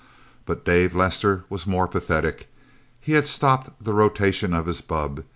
But Dave Lester was more pathetic. He had stopped the rotation of his bubb.